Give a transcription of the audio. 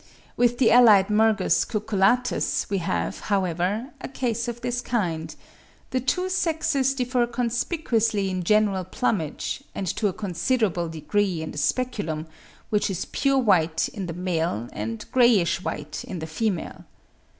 With the allied Mergus cucullatus we have, however, a case of this kind: the two sexes differ conspicuously in general plumage, and to a considerable degree in the speculum, which is pure white in the male and greyish white in the female.